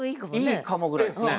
いいかもぐらいですね。